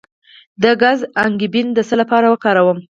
د ګز انګبین د څه لپاره وکاروم؟